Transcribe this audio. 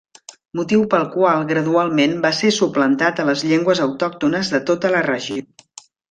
Motiu pel qual gradualment va ser suplantant a les llengües autòctones de tota la regió.